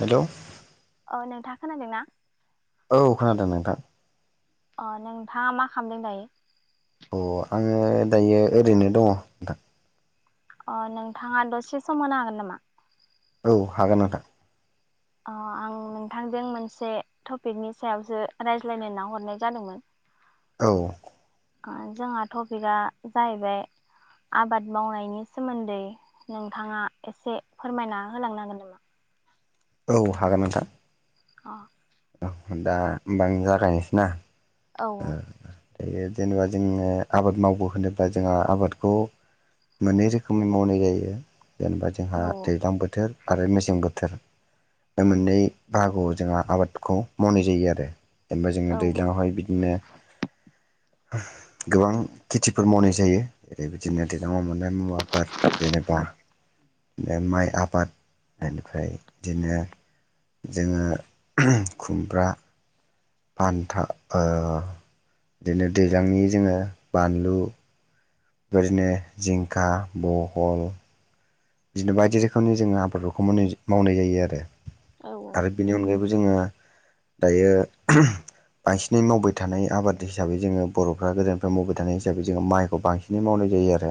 हेल' ओ नोंथा खोनादों ना औ खोनादों नोंथां। अ नोंथाङा मा खामदों दायो अ आङो दायो ओरैनो दङ। अ नोंथाङा दसे सम होनो हागोन नामा? औ हागोन नोंथां। अ आं नोंथांजों मोनसे टपिकनि सायावसो रायज्लायनो नाहरनाय जादोंमोन [inaudible] औ ओ जोंहा टपिकआ जाहैबाय आबाद मावनायनि सोमोन्दै नोंथाङा एसे फोरमायना होलांनांगोन नामा? औ हागोन नोंथां। अ औ दा होमबा आं जागायनोसै ना अ ओ औ दायो जेनेबा जोङो आबाद मावबो होनोब्ला जोंहा आबादखौ मोननै रोखोमनि मावनाय जायो जेनेबा औ जोंहा दैज्लां बोथोर आरो मेसें बोथोर बे मोननै बाहागोआव जोंहा आबादखौ मावनाय जायो आरो जेनेबा औ जोङो दैज्लांआवहाय बिदि बिनो उह गोबां खेथिफोर मावनाय जायो जरै बिदिनो दैेलांआव मोननाय मुवाफोर जेनेबा बे माइ आबाद बेनिफ्राय बिदिनो जोङो खुमब्रा बान्था ओ बिदिनो दैज्लांनि जोङो बानलु बेबायदिनो जिंखा, बहल बिदिनो बायदि रोखोमनि जोङो आबादफोरखौ माव मावनाय जायो आरो औ औ आरो बेनि अनगायैबो जोङो दायो बांसिनै मावबाय थानाय आबाद हिसाबै जोङो बर'फ्रा गोदोनिफ्राय मावबाय थानाय हिसाबै जोङो माइखौ बांसिन बिनो मावनाय जायो आरो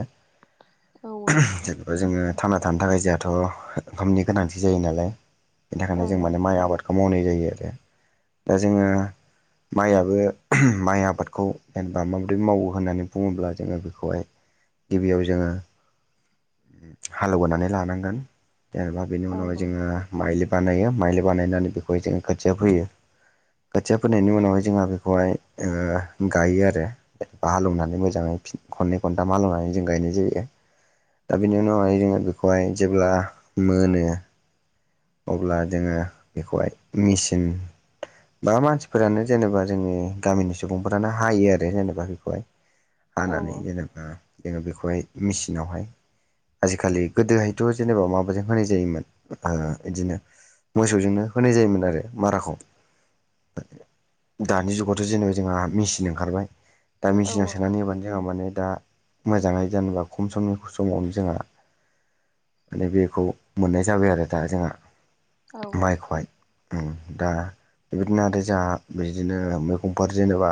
जेनेबा जोङो थांना थानो थाखाय जोंहाथ' ओंखामनि गोनांथि जायो नालाय बेनि औ थाखायनो जों माने माइ आबाद मावनाय जायो आरो दा जोङो माइयाबो माइ आबादखौ जेनेबा माबोरै मावो होननानै बुङोब्ला जोङो बेखौहाय गिबियाव जोङो हालेवबोनानै लानांगोन जेनेबा बेनि औ उनावहाय जोङो माइलि बानायो माइलि बानायनानै बेखौहाय जोङो खोथिया फैयो खोथिया फोनायनि उनावहाय जोंहा बेखौहाय ओ गायो आरो ब हालौवनानै मोजाङै खननै खनथाम हालौवनानै जों गायनाय जायो दा बेनि उनावहाय जोङो बेखौहाय जेब्ला मोनो अब्ला जोङो बेखौहाय मेसिन बा मानसिफोरानो जेनेबा जोङनि गामिनि सुबुंफोरानो हायो आरो जेनेबा बेखौहाय औ हानानै जेनेबा जोङो बेखौहाय मेचिनावहाय आजिखालि गोदोहायथ' जेनेबा माबाजों होनाय जायोमोन ओ। बिदिनो मोसौजोंनो होनाय जायोमोन आरो माराखौ दानि जुगावथ' जेनेबा जोंहा मेचिन ओंखारबाय दा मेसिनाव सोनानै होबानो जोंहा माने दा मोजाङै जेनेबा खम समनि समावनो जोंहा माने बेखौ मोननाय जाबाय आरो दा जोंहा माइखौहाय ओम दा बेबायदिनो आरो जोंहा बिदिनो मैगंफोर जेनेबा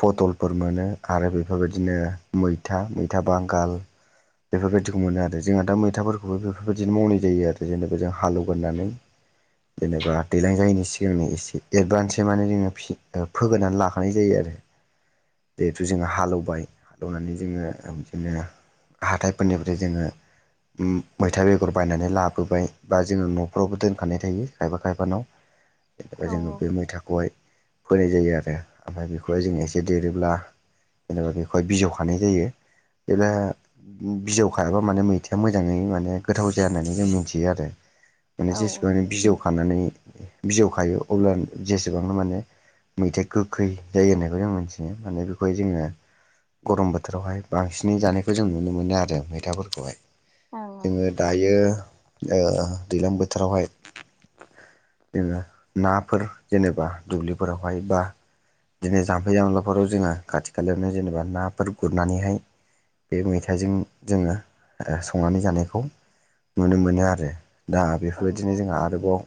फटलफोर मोनो आरो बेफोरबायदिनो मैथा मैथा बांगाल बेफोरबायदिखौ मोनो आरो जोंहा दा मैथाफोरखौबो बेफोरबायदिनो मावनाय जायो आरो जेनेबा जोंहा हालेवगोननानै जेनेबा दैलां जायैनि सिगांनो एसे एदभान्सै माने जोङो फि फोगोनानै लाखानाय जायो आरो [inaudible] जेहेथु जोङो हालेवबाय हालेवनानै जोङो बिदिनो हाथाइफोरनिफ्राय जोङो मैथा बेगर बायनानै लाबोबाय बा जोङो न'फ्रावबो दोनखानाय थायो खायफा खायफानाव जेनेबा जोङो बे मैथाखौहाय फोनाय जायो आरो ओमफ्राय बेखौहाय जोङो एसे देरोब्ला जेनेबा बेखौहाय बिजौखानाय जायो [unintelligible] बिजौ खायाबा माने मैथाया मोजाङै माने गोथाव जाया होननानै जों मिथियो आरो माने औ जेसेबां बिजौ खानानै बिजौ खायो अब्ला जेसेबांनो माने मैथाया गोखै जायो होननायखौ जों मोनथियो माने बेखौहाय जोङो गरम बोथोरावहाय बांसिनै जानायखौ जों नुनो मोनो आरो मैथाफोरखौहाय। जोङो दायो ओ दैज्लां बोथोरावहाय जोङो नाफोर जेनेबा दुब्लिफोरावहाय बा दिदिनो जाम्फै जामलाफोराव जोङो खाथि खालायावनो जेनेबा नाफोर गुरनानैहाय बे मैथाजों जोङो ओ संनानै जानायखौ नुनो मोनो आरो। दा औ बेफोरबायदिनो जोंहा आरोबाव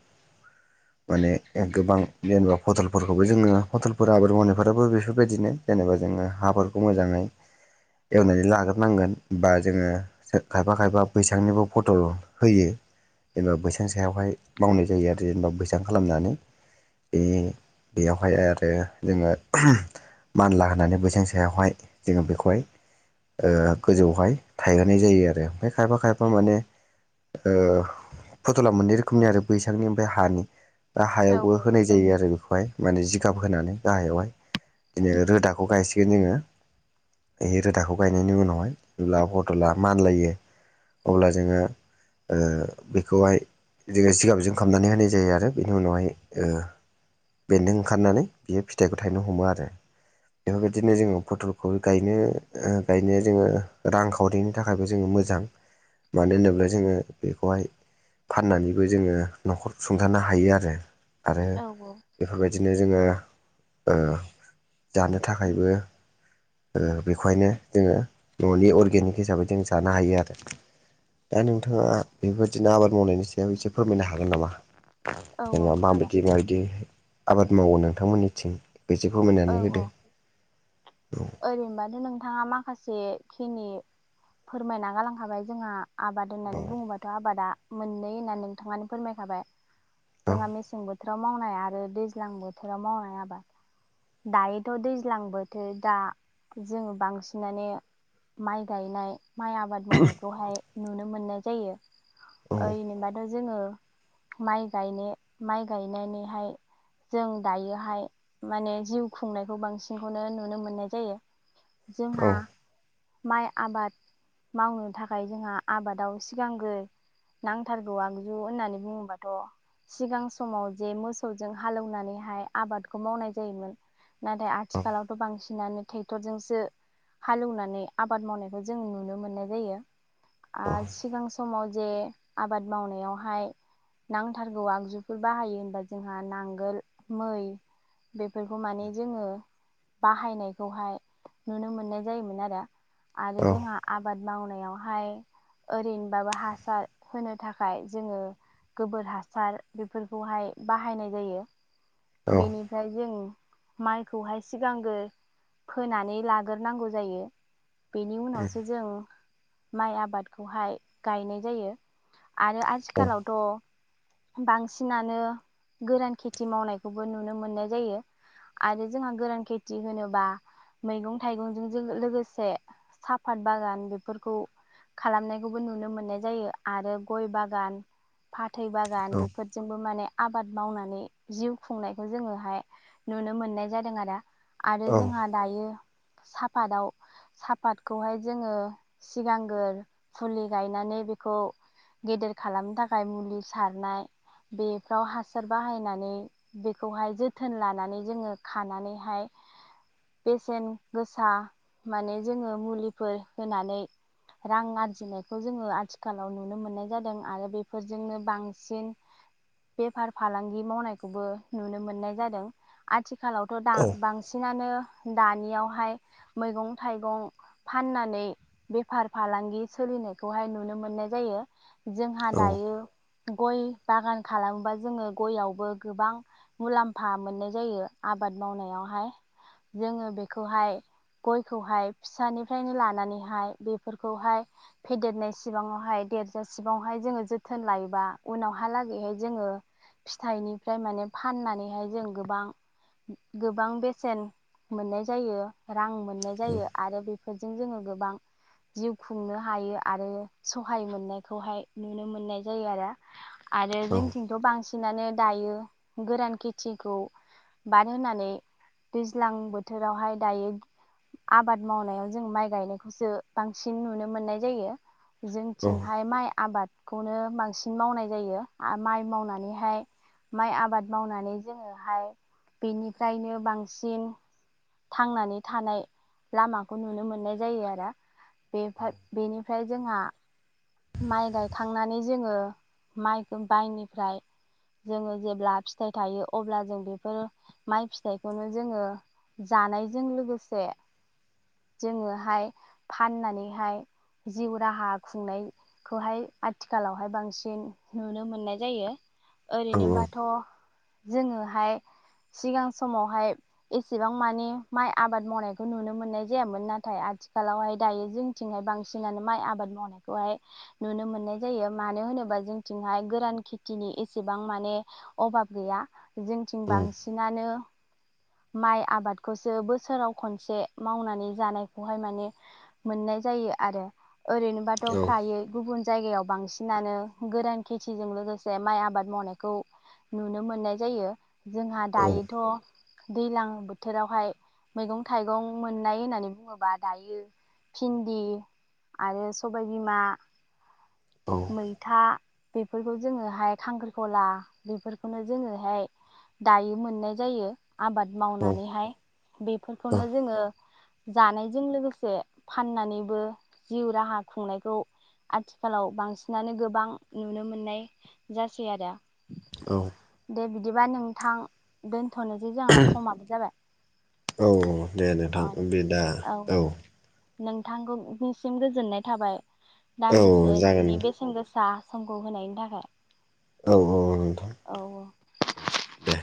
माने गोबां जेनेबा पटलफोरखौबो जोङो पटलफोर आबाद मावनायफोराबो बेफोरबायदिनो जेनेबा जोङो हाफोरखौ मोजाङै एवनानै लाग्रोनांगोन बा जोङो खायफा खायफा बैसांनिबो फटल होयो जेनेबा बैसां सायावहाय मावनाय जायो आरो जेनेबा बैसां खालामनानै बे बेयावहाय आरो जोङो मानला होनानै बैसां सायावहाय जोङो बेखौहाय ओ गोजौआवहाय थायहोनाय जायो आरो ओमफ्राय खायफा खायफा माने ओ फथला मोननै रोखोमनि आरो बैसांनि ओमफ्राय हानि दा हायावबो होनाय जायो आरो बेखौहाय माने जिगाब होनानै गाहायावहाय बिदिनो रोदाखौ गायसिगोन जोङो बे रोदाखौ गायनायनि उनावहाय जेब्ला पटला मानलायो अब्ला जोङो ओ बेखौहाय जोङो जिगाबजों खालामनानै होनाय जायो आरो बेनि उनावहाय ओ बेन्दों ओंखारनानै बियो फिथाइखौ थायनो हमो आरो बेफोरबायदिनो जोङो फटलखौ गायनो ओ गायनायनो जोङो रांखौ सावरिनि थाखायबो जोङो मोजां मानो होनोब्ला जोङो बेखौहाय फाननानैबो जोङो न'खर सुंथानो हायो आरो आरो बेफोरबायदिनो जोङो ओ जानो थाखायबो ओ बेखौहायनो जोङो न'नि अर्गेनिक हिसाबै जों जानो हायो आरो दा नोंथाङा बेफोर बिदिनो आबाद मावनायनि सायाव एसे फोरमायनो हागोन नामा औ जेनेबा हागोन माबायदि माब बिदि आबाद मावो नोंथांमोननिथिं बेसे औ फोरमायनानै औ होदो ओरैनोबाथ' नोंथाङा माखासे खिनि फोरमायना गालांखाबाय जोंहा आबाद होननानै बुङोबाथ' आबादा मोननै होननानै नोंथाङानो फोरमायखाबाय जोंहा मेसें बोथोराव मावनाय आरो दैज्लां बोथोराव मावनाय आबाद दायोथ' दैज्लां बोथोर दा जोङो बांसिनानो माइ गायनाय माइ आबाद मावनायखौहाय नुनो मोननाय जायो। औ ओरैनोबाथ' जोङो माइ गायनो, माइ गायनानैहाय जों दायोहाय माने जिउ खुंनायखौ बांसिनखौनो नुनो मोननाय जायो। औ जोंहा माइ आबाद मावनो थाखाय जोंहा आबादाव सिगांग्रो नांथारगौ आगजु होननानै बुङोबाथ' सिगां समाव जे मोसौजों हालेवनानैहाय आबादखौ मावनाय जायोमोन नाथाय औ आथिखालावथ' बांसिनानो ट्रेक्टरजोंसो हालेवनानै आबाद मावनायखौ जों नुनो मोननाय जायो आ सिगां समाव जे आबाद मावनायावहाय नांथारगौ आगजुफोर बाहायो होनबा जोंहा नांगोल, मै, बेफोरखौ माने जोङो बाहायनायखौहाय नुनो मोननाय जायोमोन आरो। आरो औ जोंहा आबाद मावनायावहाय ओरैनोबाबो हासार होनो थाखाय जोङो गोबोर हासार बेफोरखौहाय बाहायनाय जायो। बेनि फाय जों माइखौहाय सिगांग्रो फोनानै लाग्रोनांगौ जायो। बेनि उनावसो जों माइ आबादखौहाय गायनाय जायो। आरो औ आथिखालावथ' बांसिनानो गोरान खेथि मावनायखौबो नुनो मोननाय जायो। आरो जोंहा गोरान खेथि होनोबा मैगं थाइगंजों जो लोगोसे साफात बागान बेफोरखौ खालामनायखौबो नुनो मोननाय जायो आरो गय बागान फाथै बागान बेफोर जोंबो माने आबाद मावनानै जिउ खुंनायखौ जोङोहाय नुनो मोननाय जादों आरो। औ आरो जोंहा दायो साफाताव पादखौहाय जोङो सिगांगोर फुलि गायनानै बेखौ गेदेर खालामनो थाखाय मुलि सारनाय बेफ्राव हासार बाहायनानै बेखौहाय जोथोन लानानै जोङो खानानैहाय बेसेन गोसा माने जोङो मुलिफोर होनानै रां आरजिनायखौ जोङो आथिखालाव नुनो मोननाय जादों आरो बेफोरजोंनो बांसिन बेफार फालांगि मावनायखौबो नुनो मोननाय जादों आथिखालाव थ' दा बांसिनानो दानियावहाय मैगं-थाइगं फाननानै बेफार फालांगि सोलिनायखौहाय नुनो मोननाय जायो। जोंहा दायो गय बागान खालामोबा जोङो गययावबो गोबां मुलाम्फा मोननाय जायो आबाद मावनायावहाय। जोङो बेखौहाय खौहाय फिसानिफ्रायनो लानानैहाय बेफोरखौहाय फेदेरनाय सिबाङावहाय देरजासेबांहाय जोङो जोथोन लायोबा उनावहालागैहाय जोङो फिथाइनिफ्राय माने फाननानैहाय जों गोबां गो-गोबां बेसेन मोननाय जायो रां मोननाय जायो आरो बे बेफोरजों जोङो गोबां जिउ खुंनो हायो आरो सहाय मोननायखौहाय नुनो मोननाय जायो आरो। आरो औ जोंथिंथ' बांसिनानो दायो गोरान खेथिखौ बाद होनानै दैज्लां बोथोरावहाय दायो आबाद मावनायाव जों माइ गायनायखौसो बांसिन नुनो मोननाय जायो। जोंथिंहाय माइ आबादखौनो बांसिन मावनाय जायो आरो माइ मावनानैहाय माइ आबाद मावनानै जोङोहाय बेनिफ्रायनो बांसिन थांनानै थानाय लामाखौ नुनो मोननाय जायो आरो। बेफो बेनिफ्राय जोंहा माइ गायखांनानै जोङो माइखो बाइनिफ्राय जोङो जेब्ला फिथाइ थायो अब्ला, जों बेफोर माइ फिथाइखौनो जोङो जानायजों लोगोसे जोंङोहाय फाननानैहाय जिउ राहा खुंनाय खौहाय आथिखालावहाय बांसिन नुनो मोननाय जायो। औ औ ओरैनोबाथ' जोंङोहाय सिगां समावहाय एसेबां माने माइ आबाद मावनायखौ नुनो मोननाय जायामोन नाथाय आथिखालावहाय दायो जों थिंहाय बांसिनानो माइ आबाद मावनायखौहाय नुनो मोननाय जायो मानो होनोबा जोंथिंहाय गोरान खेथिनि एसेबां माने अभाब गैया जोंथिं उम बांसिनानो माइ आबादखौसो बोसोराव खनसे मावनानै जानायखौहाय माने मोननाय जायो आरो ओरैनोबाथ' औ फ्रायै गुबुन जायगायाव बांसिनानो गोरान खेथिजों लोगोसे माइ आबाद मावनायखौ नुनो मोननाय जायो जोंहा औ दायोथ' दैज्लां बोथोरावहाय मैगं थाइगं मोननाय होननानै बुंङोबा दायो फिन्दि आरो सबाय बिमा मैथा बेफोरखौ जोंङोहाय खांख्रिखला बेफोरखौनो जोंङोहाय दायो मोननाय जायो आबाद औ मावनानैहाय बेफोरखौनो जोंङो जानायजों लोगोसे फाननानैबो जिउ राहा खुंनायखौ आथिखालाव बांसिनानो गोबां नुनो मोननाय जासै आरो। औ दे बिदिबा नोंथां दोनथ'नोसै जोंहा समानो जाबाय। औ औ दे नोंथां बे दा औ नोंथां खौ निसिम गोजोननाय थाबाय औ दान्दिसे जागोन नोंनि बेसेन गोसा समखौ' होनायनि थाखाय। औ औ औ नोंथां। औऔ औ दे